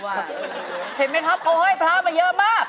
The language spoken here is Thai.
เห็นไหมครับเขาห้อยพระมาเยอะมาก